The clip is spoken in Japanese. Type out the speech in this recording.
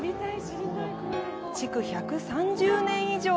築１３０年以上。